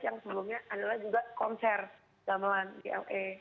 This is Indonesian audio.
dan sebelumnya adalah juga konser gamelan di la